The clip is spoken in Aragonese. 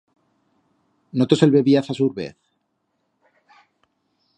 No tos el bebiaz a surbez.